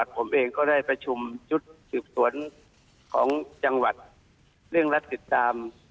ผมเองก็ได้ประชุมชุดสืบสวนของจังหวัดเร่งรัดติดตาม